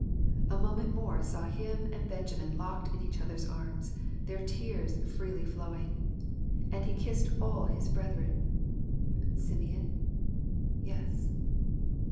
A moment more saw him and Benjamin locked in each other's arms, their tears freely flowing. And he kissed all his brethren. Simeon? Yes.